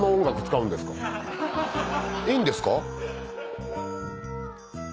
いいんですか？